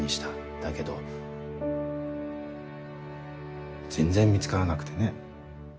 だけど全然見つからなくてね。